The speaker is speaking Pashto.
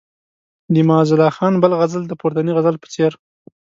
د معزالله خان بل غزل د پورتني غزل په څېر.